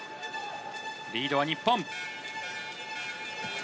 リードは日本。